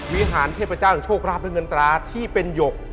วิหารเทพเจ้าโชคราบและเงินตราที่เป็นหยก